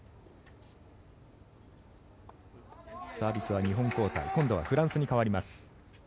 サービスは２本交代今度はフランスに変わります。